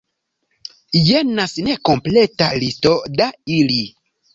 Jenas nekompleta listo da ili.